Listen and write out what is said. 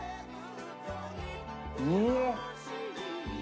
うん！